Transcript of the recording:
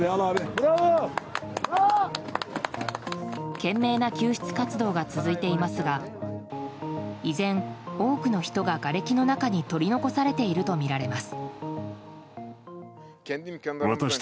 懸命な救出活動が続いていますが依然多くの人が、がれきの中に取り残されているとみられます。